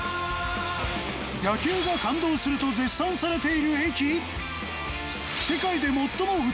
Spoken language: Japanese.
夜景が感動すると絶賛されている駅？